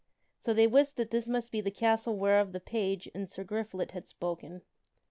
So they wist that this must be the castle whereof the page and Sir Griflet had spoken.